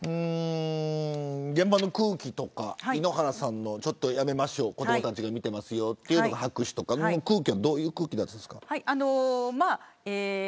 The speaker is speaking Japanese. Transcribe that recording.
現場の空気とか井ノ原さんのやめましょう子どもたちが見てますよとか拍手とかはどういう空気だったんですか。